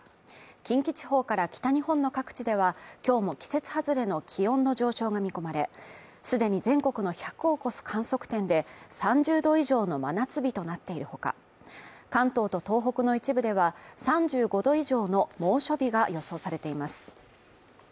近畿地方から北日本の各地では、今日も季節外れの気温の上昇が見込まれ、既に全国の１００を超す観測点で３０度以上の真夏日となっているほか、関東と東北の一部では３５度以上の猛暑日が予想されています。